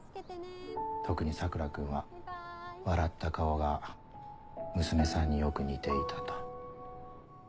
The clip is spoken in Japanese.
特に桜君は笑った顔が娘さんによく似ていたと。